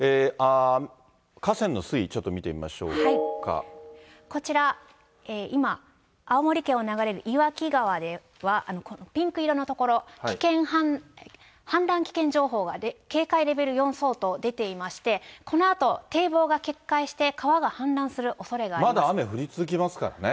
河川の水位、こちら、今、青森県を流れる岩木川では、ピンク色のところ、氾濫危険情報が警戒レベル４相当出ていまして、このあと、堤防が決壊して川が氾濫するおそれがあります。